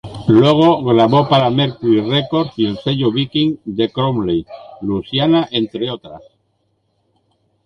Luego, grabó para Mercury Records y el sello Viking de Crowley, Louisiana, entre otras.